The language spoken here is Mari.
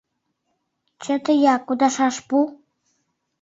— Чыте-я, кудашаш пу.